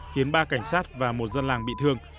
khiến ba cảnh sát và một dân làng bị thương